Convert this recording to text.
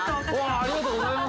ありがとうございます。